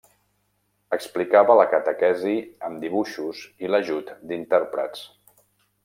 Explicava la catequesi amb dibuixos i l'ajut d'intèrprets.